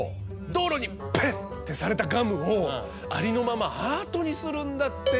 道路に「ペッ！」ってされたガムをありのままアートにするんだって。